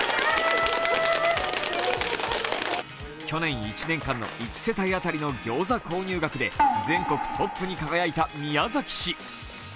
去年１年間の１世帯当たりのギョーザ購入額で全国トップに輝いた宮崎市。